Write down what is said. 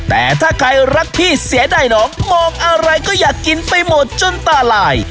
แต่ถ้าใครรักพี่เสียดายน้องมองอะไรก็อยากกินไปหมดจนตาลาย